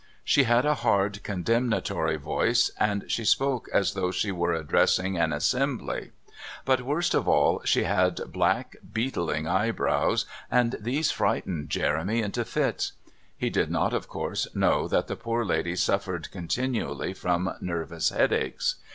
She had a hard, condemnatory voice, and she spoke as though she were addressing an assembly; but, worst of all, she had black, beetling eyebrows, and these frightened Jeremy into fits. He did not, of course, know that the poor lady suffered continually from nervous headaches.